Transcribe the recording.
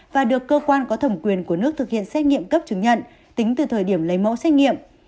và được cơ quan có thẩm quyền của nước thực hiện xét nghiệm cấp chứng nhận tính từ thời điểm lấy mẫu xét nghiệm